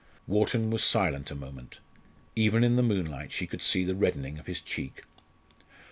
Wharton was silent a moment. Even in the moonlight she could see the reddening of his cheek.